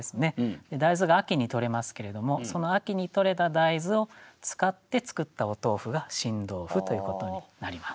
で大豆が秋に採れますけれどもその秋に採れた大豆を使って作ったお豆腐が新豆腐ということになります。